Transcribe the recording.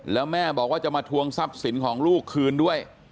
แล้วแม่บอกว่าจะมาทวงทรัพย์สินของลูกคืนด้วย